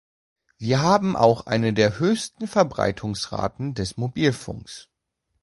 Wir haben auch eine der höchsten Verbreitungsraten des Mobilfunks.